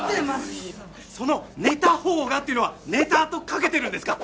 その「寝たほうが」っていうのは「ネタ」とかけてるんですか？